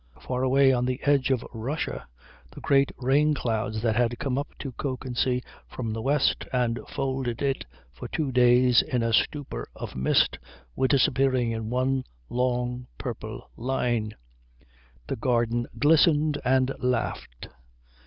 Far away on the edge of Russia the great rain clouds that had come up to Kökensee from the west and folded it for two days in a stupor of mist were disappearing in one long purple line. The garden glistened and laughed.